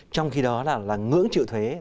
trong khi đó là ngưỡng triệu thuế